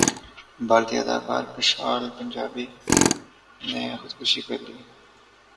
بھارتی اداکار کشال پنجابی نے خودکشی کرلی